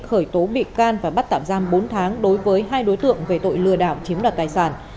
khởi tố bị can và bắt tạm giam bốn tháng đối với hai đối tượng về tội lừa đảo chiếm đoạt tài sản